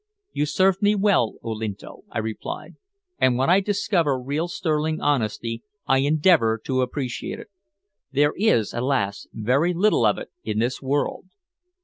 "You served me well, Olinto," I replied, "and when I discover real sterling honesty I endeavor to appreciate it. There is, alas! very little of it in this world."